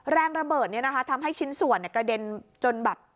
แรงระเบิดเนี่ยนะคะทำให้ชิ้นส่วนกระเด็นจนแบบ